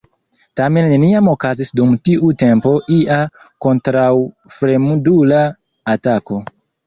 Tamen neniam okazis dum tiu tempo ia kontraŭfremdula atako.